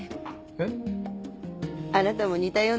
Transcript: えっ？